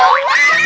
aduh aduh aduh